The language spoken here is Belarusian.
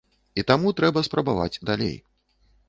І таму трэба спрабаваць далей.